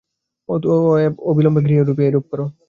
অতএব অবিলম্বে গৃহে গিয়া এইরূপ কর।